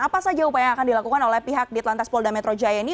apa saja upaya yang akan dilakukan oleh pihak di telantas polda metro jaya ini